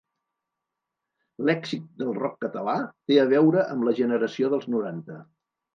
L'èxit del Rock Català té a veure amb la generació dels noranta.